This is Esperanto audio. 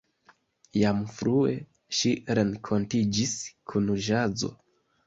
Jam frue ŝi renkontiĝis kun ĵazo.